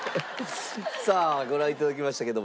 さあご覧頂きましたけども。